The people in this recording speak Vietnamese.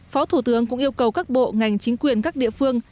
phó thủ tướng cũng yêu cầu các bộ ngành chính quyền các địa phương